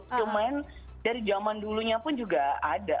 cuman dari zaman dulunya pun juga ada